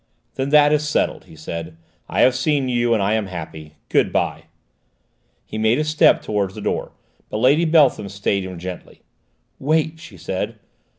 "Then that is settled," he said. "I have seen you, and I am happy! Good bye." He made a step towards the door, but Lady Beltham stayed him gently. "Wait," she said.